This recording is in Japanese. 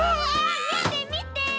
みてみて！